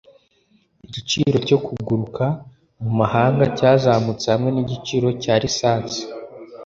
igiciro cyo kuguruka mumahanga cyazamutse hamwe nigiciro cya lisansi